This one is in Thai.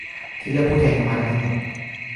ที่เลือกผู้แทนเข้ามาได้ทั้งหมด